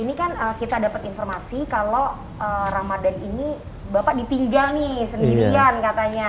ini kan kita dapat informasi kalau ramadhan ini bapak ditinggal nih sendirian katanya